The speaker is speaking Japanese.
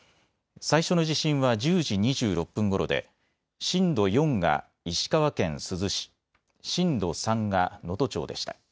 最初の地震は１０時２６分ごろで、震度４が石川県珠洲市、震度３が能登町でした。